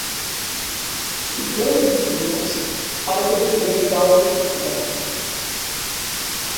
Suplanta divisões para defender causas sociais